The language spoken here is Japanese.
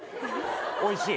おいしい。